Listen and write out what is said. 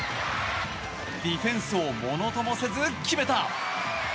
ディフェンスをものともせず決めた！